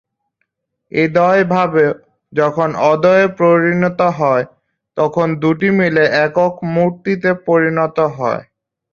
এ দ্বয়ভাব যখন অদ্বয়ে পরিণত হয় তখন দুটি মিলে একক মূর্তিতে পরিণত হয়।